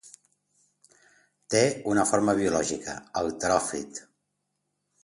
Té una forma biològica: el teròfit.